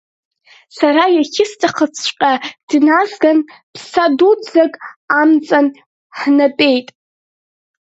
Сара иахьысҭахызҵәҟьа дназган, ԥса дуӡӡак амҵан ҳнатәеит.